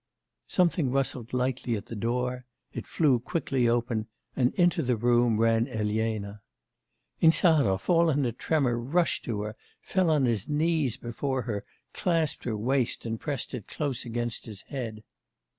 Something rustled lightly at the door, it flew quickly open, and into the room ran Elena. Insarov, all in a tremor, rushed to her, fell on his knees before her, clasped her waist and pressed it close against his head.